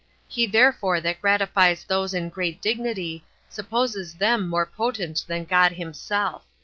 He therefore that gratifies those in great dignity, supposes them more potent than God himself.